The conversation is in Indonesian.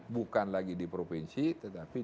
bukan lagi di provinsi tetapi